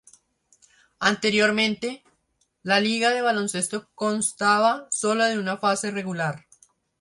Anteriormente, la liga de baloncesto constaba solo de una fase regular.